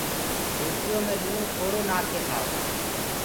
روٽيو مي لوڻ ٿوڙو نآکڪي کآئو